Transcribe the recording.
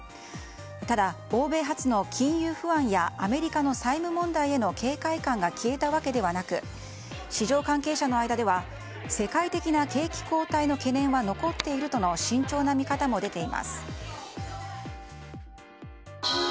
ただ、欧米発の金融不安やアメリカの債務問題への警戒感が消えたわけではなく市場関係者の間では世界的な景気後退の懸念は残っているとの慎重な見方も出ています。